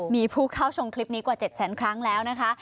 มีผู้เข้าชมคลิปนี้กว่า๗แสนครั้งแล้วนะคะ